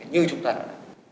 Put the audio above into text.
như chúng ta đã làm